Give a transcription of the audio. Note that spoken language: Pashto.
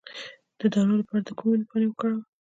د دانو لپاره د کومې ونې پاڼې وکاروم؟